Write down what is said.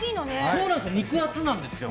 そうなんですよ、肉厚なんです。